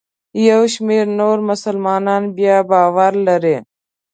یو شمېر نور مسلمانان بیا باور لري.